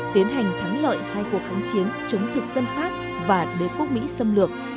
tiến hành thắng lợi hai cuộc kháng chiến chống thực dân pháp và đế quốc mỹ xâm lược